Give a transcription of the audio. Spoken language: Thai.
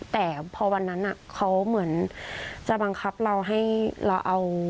แต่พอวันนั้นเขาเหมือนจะบังคับเราให้เราเอา